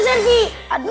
yes kita beruntung